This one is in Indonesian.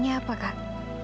ini apa kak